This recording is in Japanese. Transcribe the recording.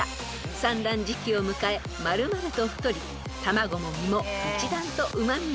［産卵時期を迎え丸々と太り卵も身も一段とうま味が凝縮するそうです］